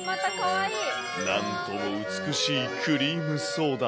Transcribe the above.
なんとも美しいクリームソーダ。